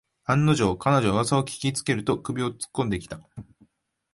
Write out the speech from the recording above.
案の定、彼女はうわさを聞きつけると首をつっこんできた